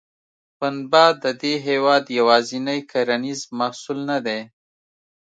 پنبه د دې هېواد یوازینی کرنیز محصول نه دی.